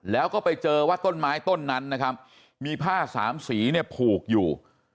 แล้วก็ไปเจอว่าต้นไม้ต้นนั้นนะครับมีผ้าสามสีเนี่ยผูกอยู่